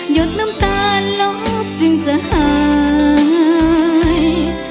หยดน้ำตาลแล้วจึงจะหาย